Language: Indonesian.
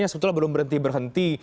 yang sebetulnya belum berhenti berhenti